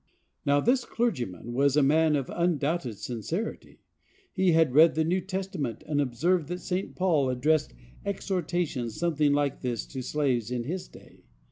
Now, this clergyman was a man of undoubted sincerity. He had read the New Testament, and observed that St. Paul addressed exhortations something like this to slaves in his day.